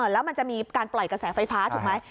แล้วมันจะมีการปล่อยกระแสไฟฟ้าถูกไหม